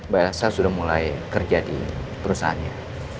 bayar sel sudah mulai kerja di perusahaannya